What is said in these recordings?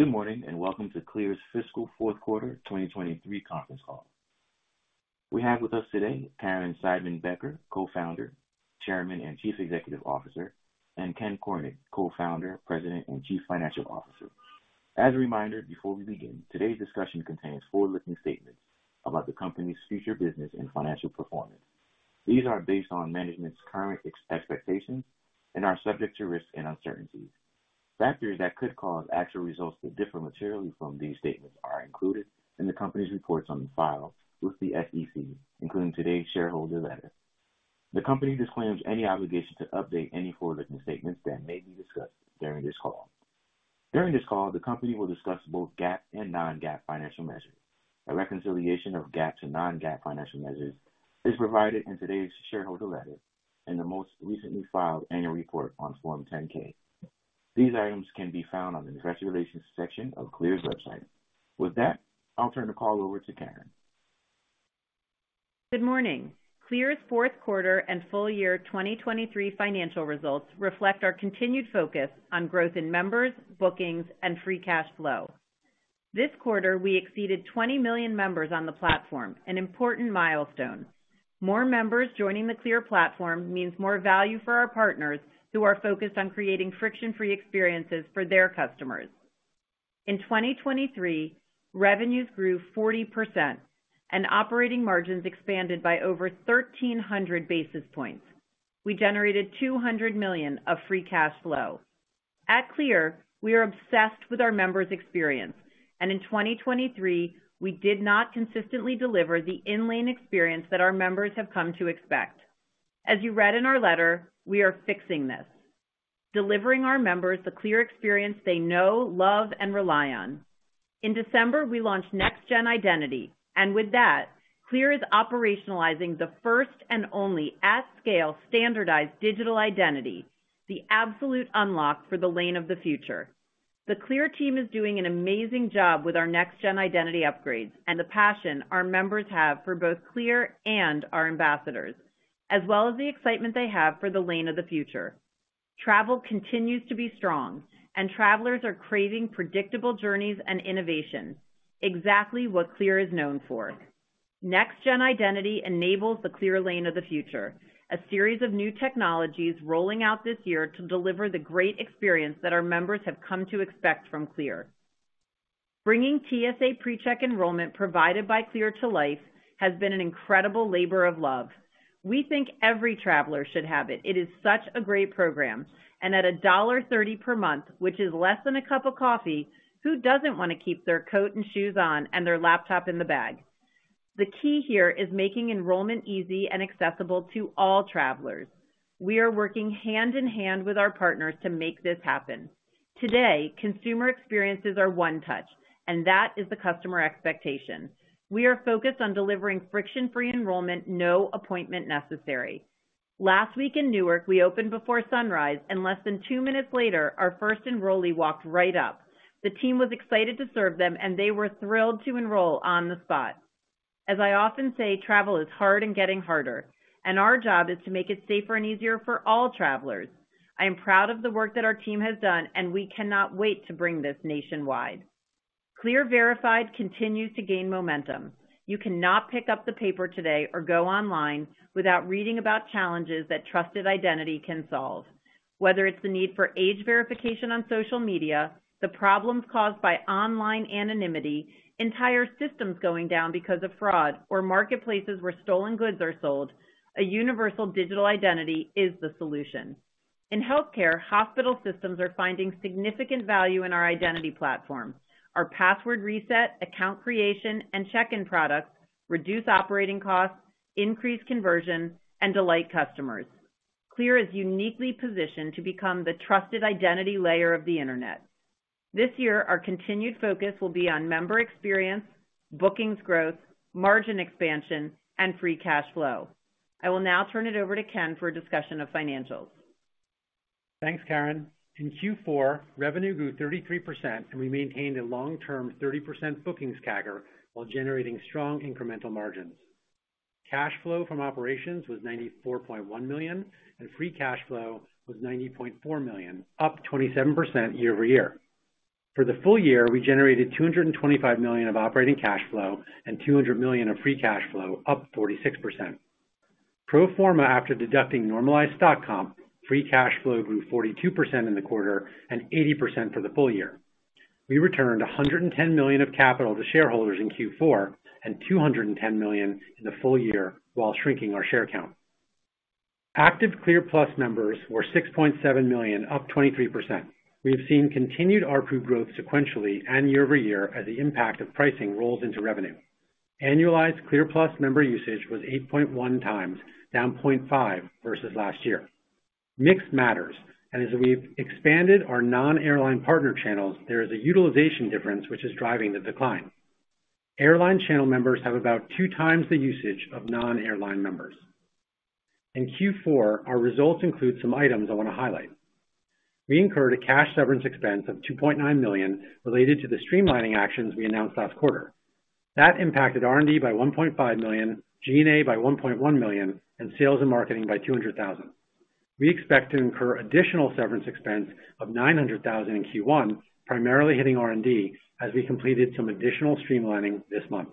Good morning, and welcome to CLEAR's Fiscal Fourth Quarter 2023 Conference Call. We have with us today, Caryn Seidman-Becker, Co-founder, Chairman, and Chief Executive Officer, and Ken Cornick, Co-founder, President, and Chief Financial Officer. As a reminder, before we begin, today's discussion contains forward-looking statements about the company's future business and financial performance. These are based on management's current expectations and are subject to risks and uncertainties. Factors that could cause actual results to differ materially from these statements are included in the company's reports on file with the SEC, including today's shareholder letter. The company disclaims any obligation to update any forward-looking statements that may be discussed during this call. During this call, the company will discuss both GAAP and non-GAAP financial measures. A reconciliation of GAAP to non-GAAP financial measures is provided in today's shareholder letter and the most recently filed annual report on Form 10-K. These items can be found on the investor relations section of CLEAR's website. With that, I'll turn the call over to Caryn. Good morning. CLEAR's Fourth Quarter and Full Year 2023 Financial Results reflect our continued focus on growth in members, bookings, and free cash flow. This quarter, we exceeded 20 million members on the platform, an important milestone. More members joining the CLEAR platform means more value for our partners, who are focused on creating friction-free experiences for their customers. In 2023, revenues grew 40%, and operating margins expanded by over 1,300 basis points. We generated $200 million of free cash flow. At CLEAR, we are obsessed with our members' experience, and in 2023, we did not consistently deliver the in-lane experience that our members have come to expect. As you read in our letter, we are fixing this, delivering our members the CLEAR experience they know, love, and rely on. In December, we launched NextGen Identity, and with that, CLEAR is operationalizing the first and only at-scale standardized digital identity, the absolute unlock for the lane of the future. The CLEAR team is doing an amazing job with our NextGen Identity upgrades and the passion our members have for both CLEAR and our ambassadors, as well as the excitement they have for the lane of the future. Travel continues to be strong, and travelers are craving predictable journeys and innovation, exactly what CLEAR is known for. NextGen Identity enables the CLEAR Lane of the Future, a series of new technologies rolling out this year to deliver the great experience that our members have come to expect from CLEAR. Bringing TSA PreCheck enrollment provided by CLEAR to life has been an incredible labor of love. We think every traveler should have it. It is such a great program, and at $1.30 per month, which is less than a cup of coffee, who doesn't want to keep their coat and shoes on and their laptop in the bag? The key here is making enrollment easy and accessible to all travelers. We are working hand-in-hand with our partners to make this happen. Today, consumer experiences are 1 touch, and that is the customer expectation. We are focused on delivering friction-free enrollment, no appointment necessary. Last week in Newark, we opened before sunrise, and less than 2 minutes later, our first enrollee walked right up. The team was excited to serve them, and they were thrilled to enroll on the spot. As I often say, travel is hard and getting harder, and our job is to make it safer and easier for all travelers. I am proud of the work that our team has done, and we cannot wait to bring this nationwide. CLEAR Verified continues to gain momentum. You cannot pick up the paper today or go online without reading about challenges that trusted identity can solve. Whether it's the need for age verification on social media, the problems caused by online anonymity, entire systems going down because of fraud, or marketplaces where stolen goods are sold, a universal digital identity is the solution. In healthcare, hospital systems are finding significant value in our identity platform. Our password reset, account creation, and check-in products reduce operating costs, increase conversion, and delight customers. CLEAR is uniquely positioned to become the trusted identity layer of the internet. This year, our continued focus will be on member experience, bookings growth, margin expansion, and free cash flow. I will now turn it over to Ken for a discussion of financials. Thanks, Caryn. In Q4, revenue grew 33%, and we maintained a long-term 30% bookings CAGR while generating strong incremental margins. Cash flow from operations was $94.1 million, and free cash flow was $90.4 million, up 27% year-over-year. For the full year, we generated $225 million of operating cash flow and $200 million of free cash flow, up 46%. Pro forma, after deducting normalized stock comp, free cash flow grew 42% in the quarter and 80% for the full year. We returned $110 million of capital to shareholders in Q4 and $210 million in the full year, while shrinking our share count. Active CLEAR+ members were 6.7 million, up 23%. We have seen continued ARPU growth sequentially and year-over-year as the impact of pricing rolls into revenue. Annualized CLEAR+ member usage was 8.1 times, down 0.5 versus last year. Mix matters, and as we've expanded our non-airline partner channels, there is a utilization difference which is driving the decline. Airline channel members have about 2 times the usage of non-airline members. In Q4, our results include some items I want to highlight. We incurred a cash severance expense of $2.9 million related to the streamlining actions we announced last quarter. That impacted R&D by $1.5 million, G&A by $1.1 million, and sales and marketing by $200,000. We expect to incur additional severance expense of $900,000 in Q1, primarily hitting R&D, as we completed some additional streamlining this month.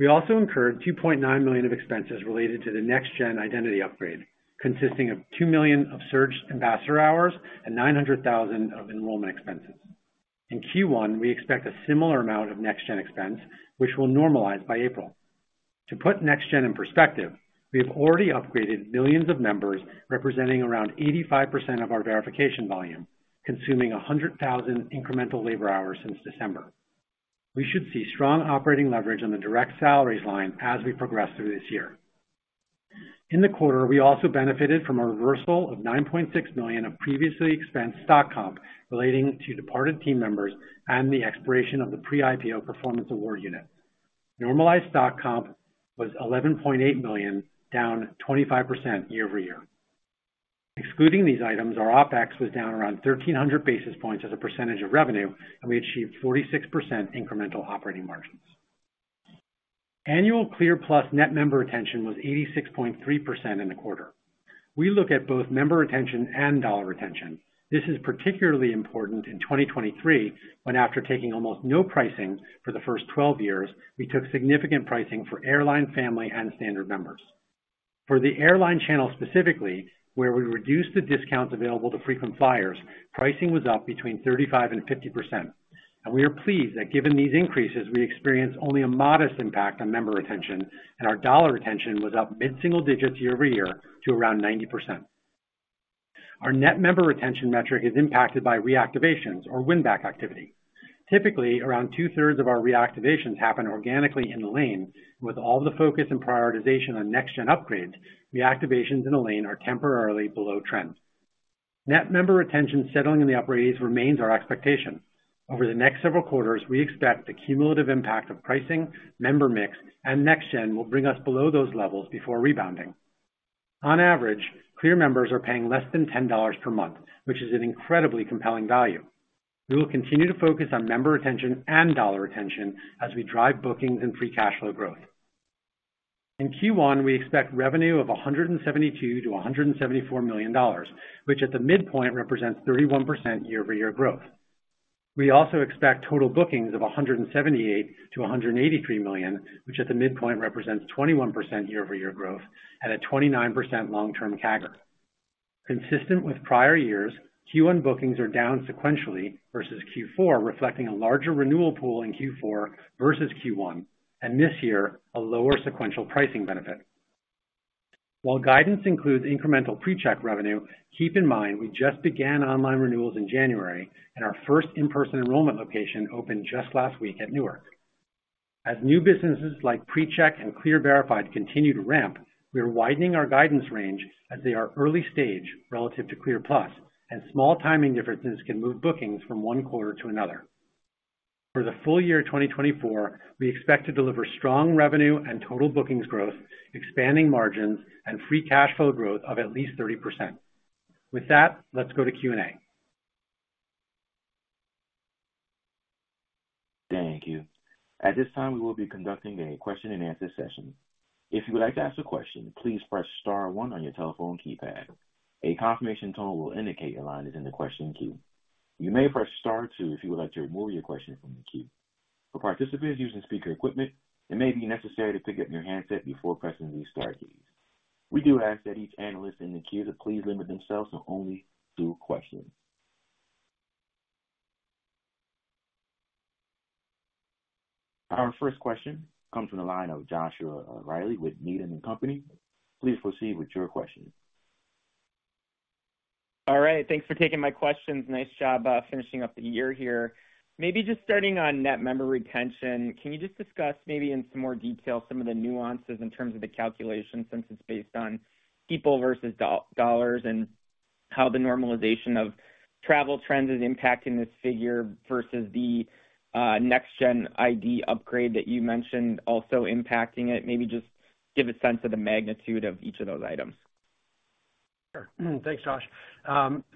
We also incurred $2.9 million of expenses related to the NextGen Identity upgrade, consisting of $2 million of surge ambassador hours and $900,000 of enrollment expenses. In Q1, we expect a similar amount of NextGen expense, which will normalize by April. To put NextGen in perspective, we have already upgraded millions of members, representing around 85% of our verification volume, consuming 100,000 incremental labor hours since December. We should see strong operating leverage on the direct salaries line as we progress through this year. In the quarter, we also benefited from a reversal of $9.6 million of previously expensed stock comp relating to departed team members and the expiration of the pre-IPO performance award unit. Normalized stock comp was $11.8 million, down 25% year-over-year. Excluding these items, our OpEx was down around 1,300 basis points as a percentage of revenue, and we achieved 46% incremental operating margins. Annual CLEAR+ net member retention was 86.3% in the quarter. We look at both member retention and dollar retention. This is particularly important in 2023, when after taking almost no pricing for the first 12 years, we took significant pricing for airline, family, and standard members. For the airline channel, specifically, where we reduced the discounts available to frequent flyers, pricing was up between 35% and 50%. We are pleased that given these increases, we experienced only a modest impact on member retention, and our dollar retention was up mid-single digits year-over-year to around 90%. Our net member retention metric is impacted by reactivations or win-back activity. Typically, around two-thirds of our reactivations happen organically in the lane, with all the focus and prioritization on NextGen upgrades, reactivations in the lane are temporarily below trend. Net member retention settling in the upper eighties remains our expectation. Over the next several quarters, we expect the cumulative impact of pricing, member mix, and NextGen will bring us below those levels before rebounding. On average, CLEAR members are paying less than $10 per month, which is an incredibly compelling value. We will continue to focus on member retention and dollar retention as we drive bookings and free cash flow growth. In Q1, we expect revenue of $172 million-$174 million, which at the midpoint represents 31% year-over-year growth. We also expect total bookings of $178 million-$183 million, which at the midpoint represents 21% year-over-year growth at a 29% long-term CAGR. Consistent with prior years, Q1 bookings are down sequentially versus Q4, reflecting a larger renewal pool in Q4 versus Q1, and this year, a lower sequential pricing benefit. While guidance includes incremental PreCheck revenue, keep in mind, we just began online renewals in January, and our first in-person enrollment location opened just last week at Newark. As new businesses like PreCheck and CLEAR Verified continue to ramp, we are widening our guidance range as they are early stage relative to CLEAR+, and small timing differences can move bookings from one quarter to another. For the full year 2024, we expect to deliver strong revenue and total bookings growth, expanding margins, and free cash flow growth of at least 30%. With that, let's go to Q&A. Thank you. At this time, we will be conducting a question-and-answer session. If you would like to ask a question, please press star one on your telephone keypad. A confirmation tone will indicate your line is in the question queue. You may press star two if you would like to remove your question from the queue. For participants using speaker equipment, it may be necessary to pick up your handset before pressing these star keys. We do ask that each analyst in the queue to please limit themselves to only two questions. Our first question comes from the line of Joshua Reilly with Needham & Company. Please proceed with your question. All right, thanks for taking my questions. Nice job, finishing up the year here. Maybe just starting on net member retention, can you just discuss maybe in some more detail, some of the nuances in terms of the calculation, since it's based on people versus dollars, and how the normalization of travel trends is impacting this figure versus the NextGen ID upgrade that you mentioned also impacting it? Maybe just give a sense of the magnitude of each of those items. Sure. Thanks, Josh.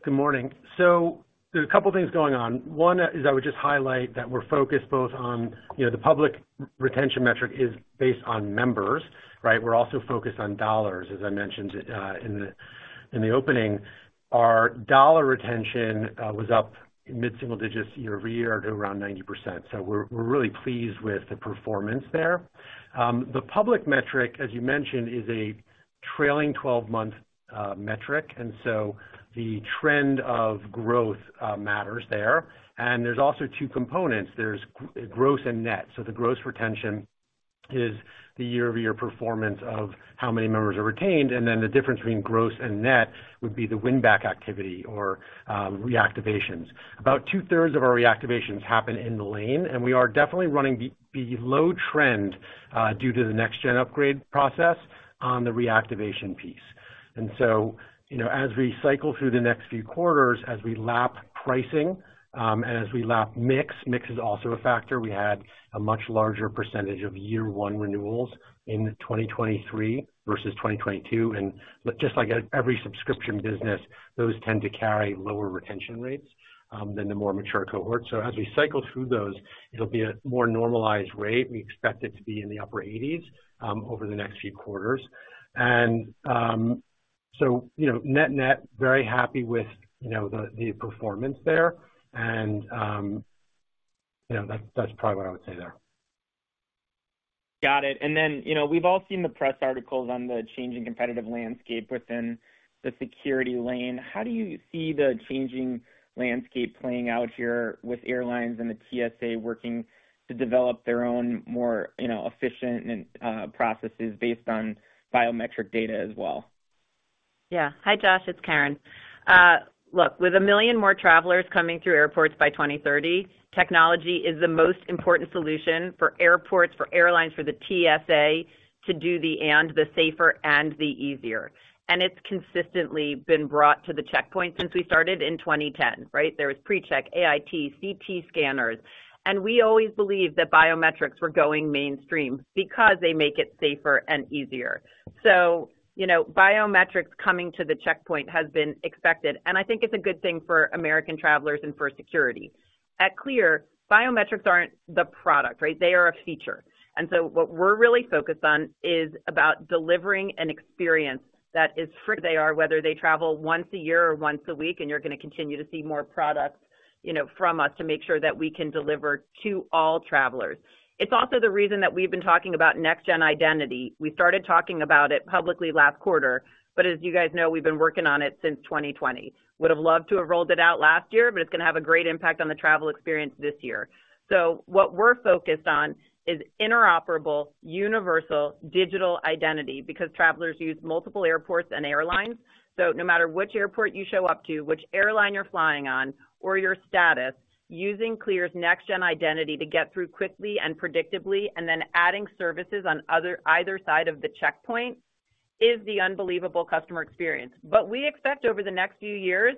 Good morning. So there's a couple of things going on. One is I would just highlight that we're focused both on, you know, the public retention metric is based on members, right? We're also focused on dollars, as I mentioned, in the opening. Our dollar retention was up mid-single digits year-over-year to around 90%. So we're really pleased with the performance there. The public metric, as you mentioned, is a trailing twelve-month metric, and so the trend of growth matters there. And there's also two components: there's gross and net. So the gross retention is the year-over-year performance of how many members are retained, and then the difference between gross and net would be the win-back activity or reactivations. About two-thirds of our reactivations happen in the lane, and we are definitely running below trend due to the NextGen upgrade process on the reactivation piece. And so, you know, as we cycle through the next few quarters, as we lap pricing, and as we lap mix, mix is also a factor. We had a much larger percentage of year-one renewals in 2023 versus 2022, and just like every subscription business, those tend to carry lower retention rates than the more mature cohorts. So as we cycle through those, it'll be a more normalized rate. We expect it to be in the upper 80s over the next few quarters. So, you know, net, net, very happy with, you know, the, the performance there. And, you know, that's, that's probably what I would say there. Got it. And then, you know, we've all seen the press articles on the changing competitive landscape within the security lane. How do you see the changing landscape playing out here with airlines and the TSA working to develop their own more, you know, efficient and processes based on biometric data as well? Yeah. Hi, Josh, it's Caryn. Look, with 1 million more travelers coming through airports by 2030, technology is the most important solution for airports, for airlines, for the TSA to do the safer and the easier. And it's consistently been brought to the checkpoint since we started in 2010, right? There was PreCheck, AIT, CT scanners, and we always believed that biometrics were going mainstream because they make it safer and easier. So, you know, biometrics coming to the checkpoint has been expected, and I think it's a good thing for American travelers and for security. At CLEAR, biometrics aren't the product, right? They are a feature. And so what we're really focused on is about delivering an experience that is free. They are, whether they travel once a year or once a week, and you're gonna continue to see more products, you know, from us to make sure that we can deliver to all travelers. It's also the reason that we've been talking about NextGen Identity. We started talking about it publicly last quarter, but as you guys know, we've been working on it since 2020. Would have loved to have rolled it out last year, but it's gonna have a great impact on the travel experience this year. So what we're focused on is interoperable, universal, digital identity, because travelers use multiple airports and airlines. So no matter which airport you show up to, which airline you're flying on, or your status, using CLEAR's NextGen Identity to get through quickly and predictably, and then adding services on either side of the checkpoint, is the unbelievable customer experience. But we expect over the next few years,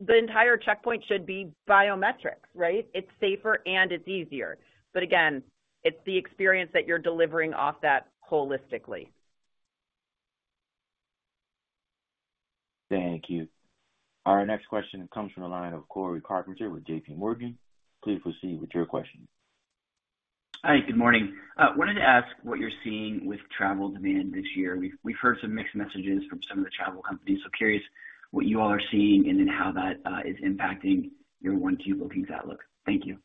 the entire checkpoint should be biometrics, right? It's safer and it's easier. But again, it's the experience that you're delivering off that holistically. Thank you. Our next question comes from the line of Cory Carpenter with J.P. Morgan. Please proceed with your question. Hi, good morning. Wanted to ask what you're seeing with travel demand this year. We've heard some mixed messages from some of the travel companies, so curious what you all are seeing and then how that is impacting your 1Q bookings outlook. Thank you.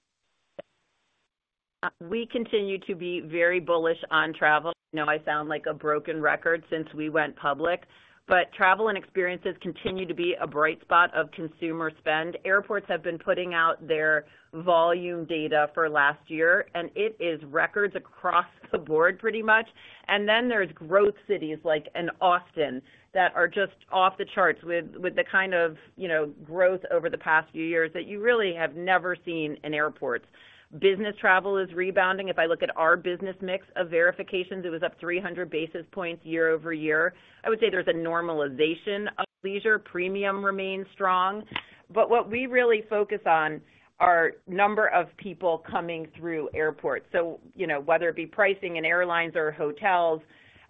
We continue to be very bullish on travel. I know I sound like a broken record since we went public, but travel and experiences continue to be a bright spot of consumer spend. Airports have been putting out their volume data for last year, and it is records across the board, pretty much. Then there's growth cities like in Austin, that are just off the charts with, with the kind of, you know, growth over the past few years that you really have never seen in airports. Business travel is rebounding. If I look at our business mix of verifications, it was up 300 basis points year-over-year. I would say there's a normalization of leisure. Premium remains strong, but what we really focus on are number of people coming through airports. So, you know, whether it be pricing in airlines or hotels,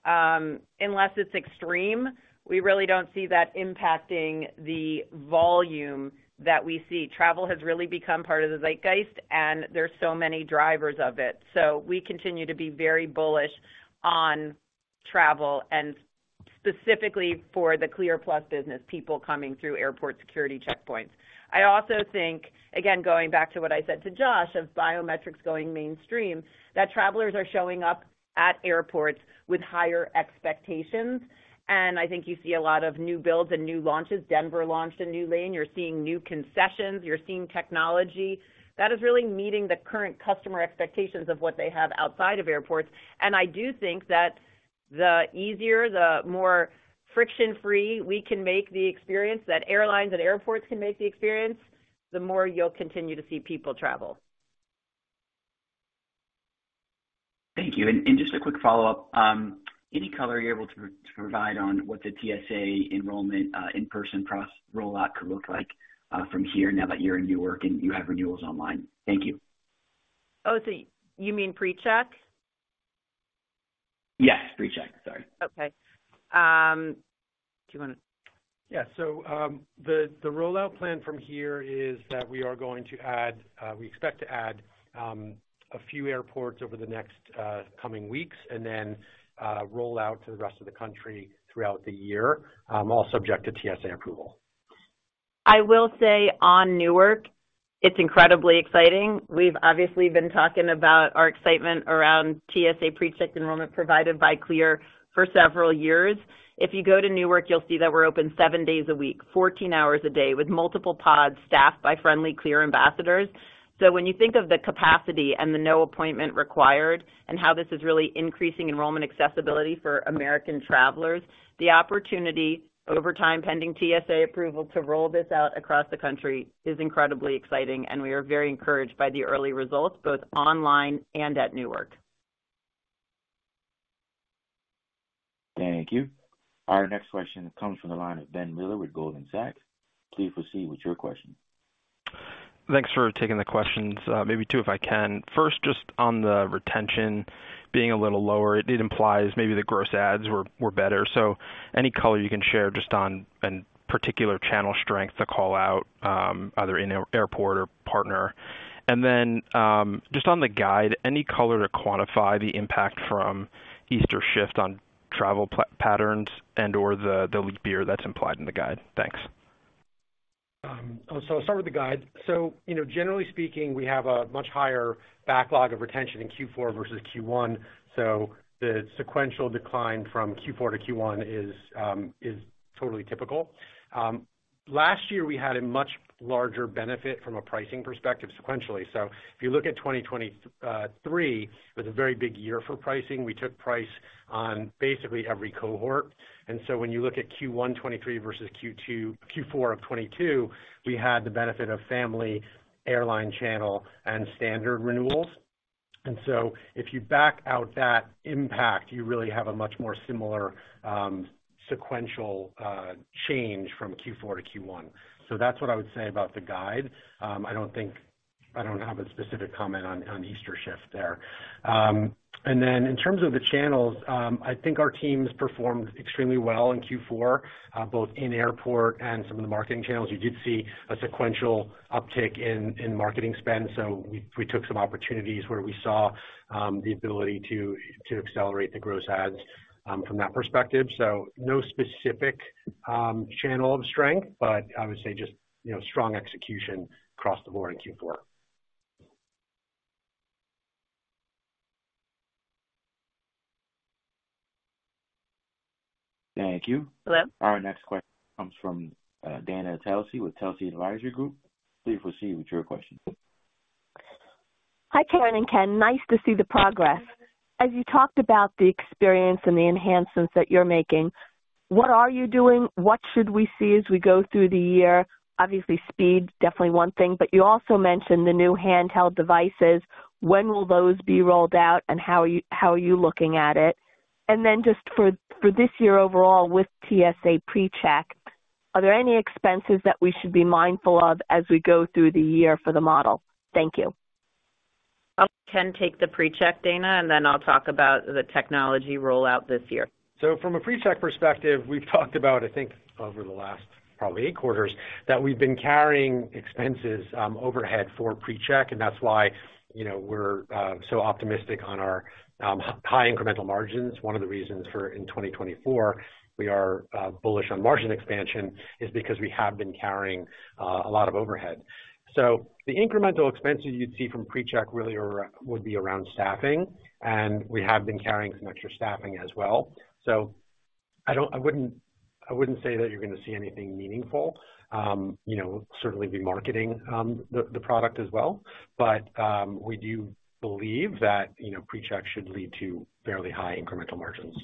unless it's extreme, we really don't see that impacting the volume that we see. Travel has really become part of the zeitgeist, and there's so many drivers of it. So we continue to be very bullish on travel, and specifically for the CLEAR+ business, people coming through airport security checkpoints. I also think, again, going back to what I said to Josh, of biometrics going mainstream, that travelers are showing up at airports with higher expectations, and I think you see a lot of new builds and new launches. Denver launched a new lane. You're seeing new concessions, you're seeing technology. That is really meeting the current customer expectations of what they have outside of airports. I do think that the easier, the more friction-free we can make the experience, that airlines and airports can make the experience, the more you'll continue to see people travel. Thank you. And just a quick follow-up, any color you're able to provide on what the TSA enrollment in-person process rollout could look like from here now that you're in Newark and you have renewals online? Thank you. Oh, so you mean PreCheck? Yes, PreCheck. Sorry. Okay. Do you wanna? Yeah. So, the rollout plan from here is that we expect to add a few airports over the next coming weeks and then roll out to the rest of the country throughout the year, all subject to TSA approval. I will say on Newark, it's incredibly exciting. We've obviously been talking about our excitement around TSA PreCheck enrollment provided by CLEAR for several years. If you go to Newark, you'll see that we're open seven days a week, 14 hours a day, with multiple pods staffed by friendly CLEAR ambassadors. So when you think of the capacity and the no appointment required, and how this is really increasing enrollment accessibility for American travelers, the opportunity, over time, pending TSA approval, to roll this out across the country is incredibly exciting, and we are very encouraged by the early results, both online and at Newark. Thank you. Our next question comes from the line of Ben Miller with Goldman Sachs. Please proceed with your question. Thanks for taking the questions. Maybe two, if I can. First, just on the retention being a little lower, it implies maybe the gross adds were better. So any color you can share just on and particular channel strength to call out, either in airport or partner. And then, just on the guide, any color to quantify the impact from Easter shift on travel patterns and/or the beat that's implied in the guide? Thanks. So I'll start with the guide. So, you know, generally speaking, we have a much higher backlog of retention in Q4 versus Q1, so the sequential decline from Q4 to Q1 is, is totally typical. Last year, we had a much larger benefit from a pricing perspective sequentially. So if you look at 2023, it was a very big year for pricing. We took price on basically every cohort. And so when you look at Q1 2023 versus Q2-Q4 of 2022, we had the benefit of family airline channel and standard renewals. And so if you back out that impact, you really have a much more similar, sequential, change from Q4 to Q1. So that's what I would say about the guide. I don't have a specific comment on Easter shift there. And then in terms of the channels, I think our teams performed extremely well in Q4, both in airport and some of the marketing channels. You did see a sequential uptick in marketing spend, so we took some opportunities where we saw the ability to accelerate the gross adds from that perspective. So no specific channel of strength, but I would say just, you know, strong execution across the board in Q4. Thank you. Hello. Our next question comes from Dana Telsey with Telsey Advisory Group. Please proceed with your question. Hi, Caryn and Ken. Nice to see the progress. As you talked about the experience and the enhancements that you're making, what are you doing? What should we see as we go through the year? Obviously, speed is definitely one thing, but you also mentioned the new handheld devices. When will those be rolled out, and how are you, how are you looking at it? And then just for, for this year overall with TSA PreCheck, are there any expenses that we should be mindful of as we go through the year for the model? Thank you. I'll let Ken take the PreCheck, Dana, and then I'll talk about the technology rollout this year. So from a PreCheck perspective, we've talked about, I think, over the last probably eight quarters, that we've been carrying expenses, overhead for PreCheck, and that's why, you know, we're so optimistic on our high incremental margins. One of the reasons for in 2024, we are bullish on margin expansion, is because we have been carrying a lot of overhead. So the incremental expenses you'd see from PreCheck really would be around staffing, and we have been carrying some extra staffing as well. So I wouldn't say that you're gonna see anything meaningful, you know, certainly be marketing the product as well. But we do believe that, you know, PreCheck should lead to fairly high incremental margins.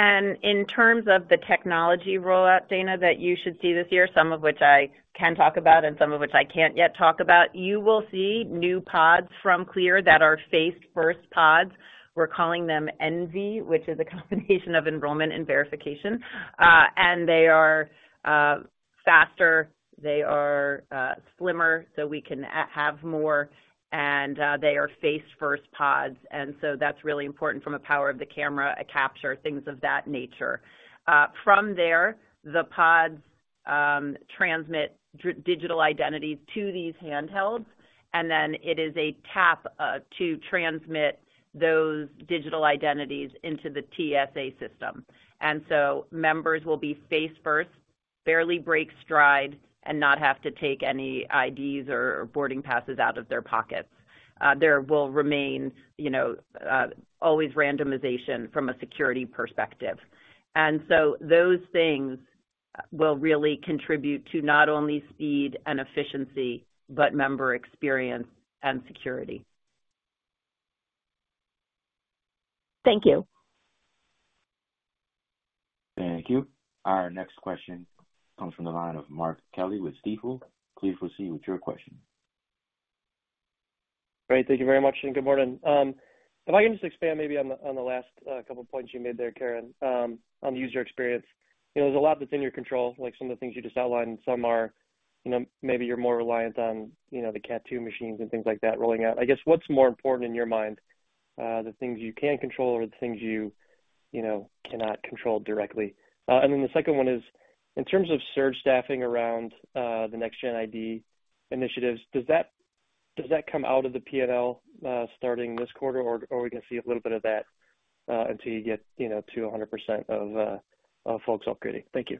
And in terms of the technology rollout, Dana, that you should see this year, some of which I can talk about and some of which I can't yet talk about, you will see new pods from CLEAR that are face-first pods. We're calling them EnVe, which is a combination of enrollment and verification. And they are faster, they are slimmer, so we can have more, and they are face-first pods. And so that's really important from a power of the camera, a capture, things of that nature. From there, the pods transmit digital identities to these handhelds, and then it is a tap to transmit those digital identities into the TSA system. And so members will be face first, barely break stride, and not have to take any IDs or boarding passes out of their pockets. There will remain, you know, always randomization from a security perspective. And so those things will really contribute to not only speed and efficiency, but member experience and security. Thank you. Thank you. Our next question comes from the line of Mark Kelley with Stifel. Please proceed with your question. Great. Thank you very much, and good morning. If I can just expand maybe on the last couple of points you made there, Caryn, on the user experience. You know, there's a lot that's in your control, like some of the things you just outlined, some are, you know, maybe you're more reliant on, you know, the CAT-2 machines and things like that rolling out. I guess, what's more important in your mind, the things you can control or the things you cannot control directly? And then the second one is, in terms of surge staffing around the NextGen ID initiatives, does that come out of the PNL starting this quarter, or we can see a little bit of that until you get, you know, to 100% of folks upgrading? Thank you.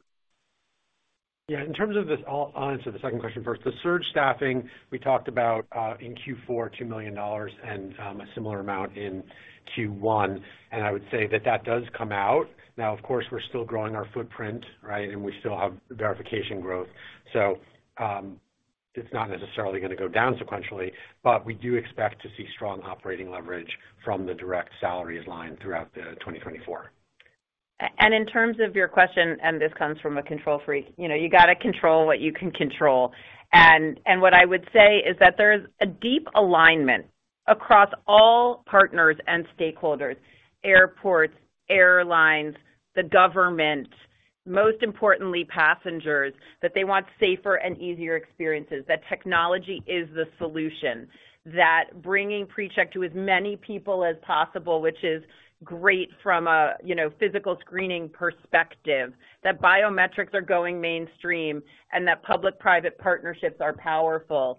Yeah, in terms of this, I'll, I'll answer the second question first. The surge staffing, we talked about, in Q4, $2 million and, a similar amount in Q1, and I would say that that does come out. Now, of course, we're still growing our footprint, right? And we still have verification growth. So, it's not necessarily gonna go down sequentially, but we do expect to see strong operating leverage from the direct salaries line throughout 2024. And in terms of your question, and this comes from a control freak, you know, you got to control what you can control. And, and what I would say is that there's a deep alignment across all partners and stakeholders, airports, airlines, the government, most importantly, passengers, that they want safer and easier experiences, that technology is the solution. That bringing PreCheck to as many people as possible, which is great from a, you know, physical screening perspective, that biometrics are going mainstream and that public-private partnerships are powerful.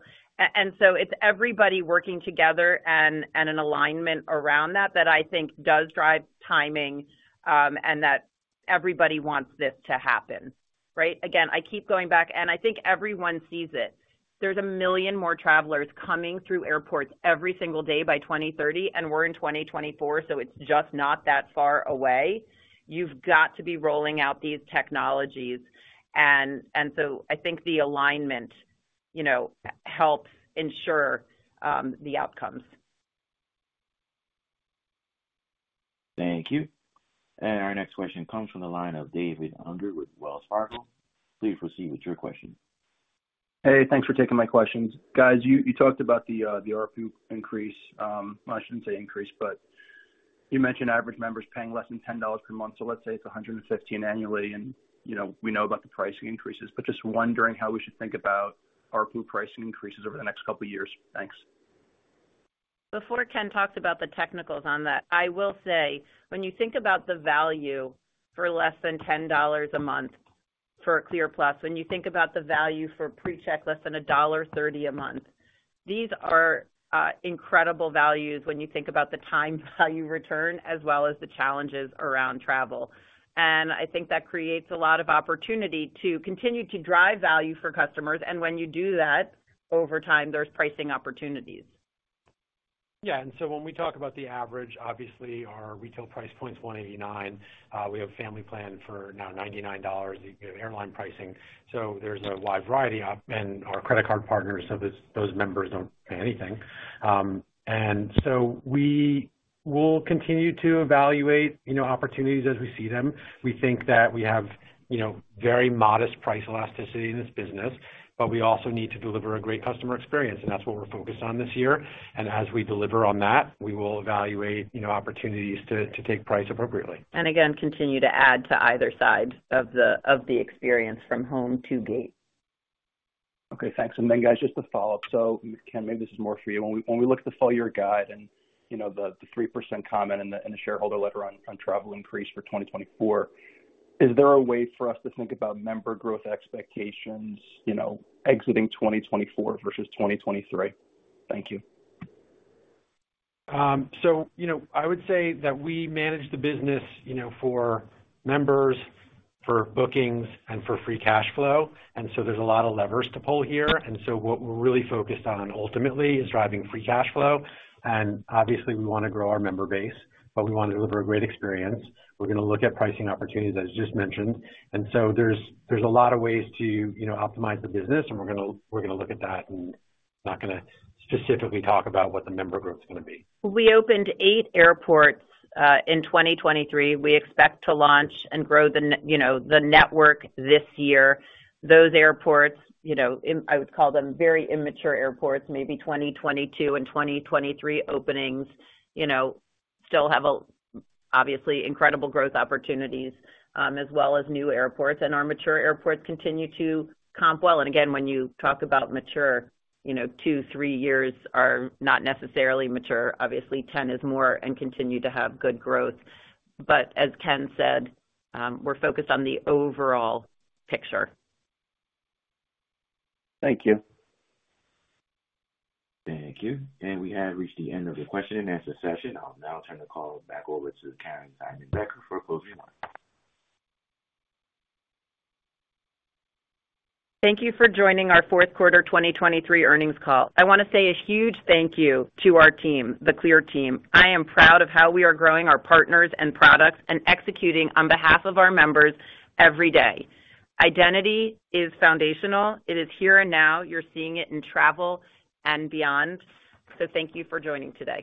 And so it's everybody working together and, and an alignment around that, that I think does drive timing, and that everybody wants this to happen, right? Again, I keep going back, and I think everyone sees it. There's 1 million more travelers coming through airports every single day by 2030, and we're in 2024, so it's just not that far away. You've got to be rolling out these technologies, and, and so I think the alignment, you know, helps ensure the outcomes. Thank you. Our next question comes from the line of Dan Huber with Wells Fargo. Please proceed with your question. Hey, thanks for taking my questions. Guys, you talked about the ARPU increase. I shouldn't say increase, but you mentioned average members paying less than $10 per month, so let's say it's $115 annually, and, you know, we know about the pricing increases, but just wondering how we should think about ARPU pricing increases over the next couple of years. Thanks. Before Ken talks about the technicals on that, I will say, when you think about the value for less than $10 a month for a CLEAR+, when you think about the value for PreCheck, less than $1.30 a month, these are incredible values when you think about the time value return, as well as the challenges around travel. And I think that creates a lot of opportunity to continue to drive value for customers, and when you do that, over time, there's pricing opportunities. Yeah, and so when we talk about the average, obviously our retail price point is $189. We have a family plan for now $99. You have airline pricing, so there's a wide variety. And our credit card partners, so those, those members don't pay anything. And so we will continue to evaluate, you know, opportunities as we see them. We think that we have, you know, very modest price elasticity in this business, but we also need to deliver a great customer experience, and that's what we're focused on this year. And as we deliver on that, we will evaluate, you know, opportunities to, to take price appropriately. Again, continue to add to either side of the experience from home to gate. Okay, thanks. And then, guys, just to follow up, so Ken, maybe this is more for you. When we look at the full-year guide and, you know, the 3% comment in the shareholder letter on travel increase for 2024, is there a way for us to think about member growth expectations, you know, exiting 2024 versus 2023? Thank you. You know, I would say that we manage the business, you know, for members, for bookings, and for free cash flow, and so there's a lot of levers to pull here. And so what we're really focused on ultimately is driving free cash flow. And obviously, we wanna grow our member base, but we want to deliver a great experience. We're gonna look at pricing opportunities, as just mentioned. And so there's a lot of ways to, you know, optimize the business, and we're gonna look at that and not gonna specifically talk about what the member growth is gonna be. We opened eight airports in 2023. We expect to launch and grow the you know, the network this year. Those airports, you know, I would call them very immature airports, maybe 2022 and 2023 openings, you know, still have obviously incredible growth opportunities, as well as new airports. And our mature airports continue to comp well. And again, when you talk about mature, you know, 2, 3 years are not necessarily mature. Obviously, 10 is more and continue to have good growth. But as Ken said, we're focused on the overall picture. Thank you. Thank you. We have reached the end of the question and answer session. I'll now turn the call back over to Caryn Seidman-Becker for closing remarks. Thank you for joining our Fourth Quarter 2023 Earnings Call. I wanna say a huge thank you to our team, the CLEAR team. I am proud of how we are growing our partners and products, and executing on behalf of our members every day. Identity is foundational. It is here and now. You're seeing it in travel and beyond. So thank you for joining today.